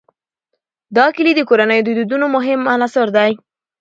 دا کلي د کورنیو د دودونو مهم عنصر دی.